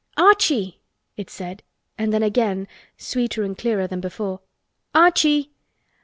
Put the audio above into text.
Archie!" it said, and then again, sweeter and clearer than before, "Archie!